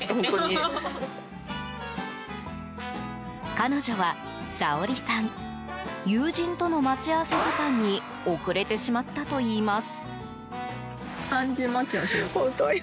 彼女は、サオリさん。友人との待ち合わせ時間に遅れてしまったといいます。